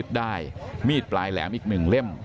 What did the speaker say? ท่านดูเหตุการณ์ก่อนนะครับ